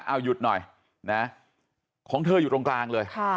เอาหยุดหน่อยนะของเธออยู่ตรงกลางเลย